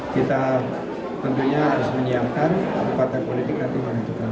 kita tentunya harus menyiapkan partai politik nanti menentukan